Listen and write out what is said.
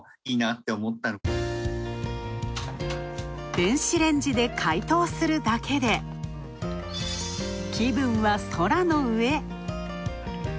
電子レンジで解凍するだけで、気分は空の上。